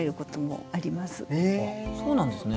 そうなんですね。